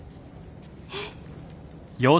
えっ？